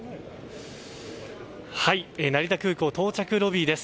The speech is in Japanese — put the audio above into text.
成田空港到着ロビーです。